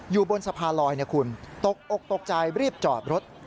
อยู่บนสะพานลอยนะคุณตกอกตกใจรีบจอดรถ